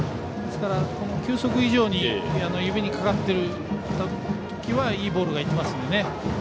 球速以上に指にかかっている時はいいボールが行ってますのでね。